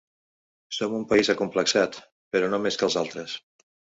Som un país acomplexat, però no més que els altres.